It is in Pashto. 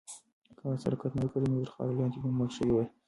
که آس حرکت نه وای کړی، نو تر خاورو لاندې به مړ شوی وای.